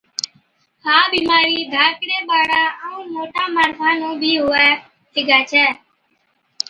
ها بِيمارِي ڌاڪڙان ٻاڙان ائُون موٽان ماڻسان نُون بِي هُو سِگھَي ڇَي